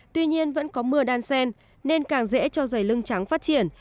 tuy nhiên vẫn có mưa đan sen nên càng dễ cho dày lưng trắng phát triển